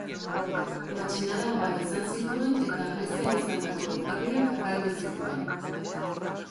Matxinada ugari izan zituen eta Grezian izandako dukerriak galdu zituen.